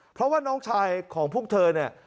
เพราะว่าน้องชายของพวกเธอเนี่ย